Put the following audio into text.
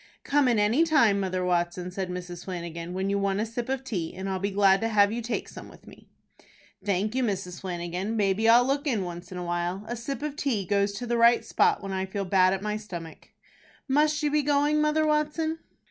"Come in any time, Mother Watson," said Mrs. Flanagan, "when you want a sip of tea, and I'll be glad to have you take some with me." "Thank you, Mrs. Flanagan; maybe I'll look in once in a while. A sip of tea goes to the right spot when I feel bad at my stomach." "Must you be goin', Mother Watson?"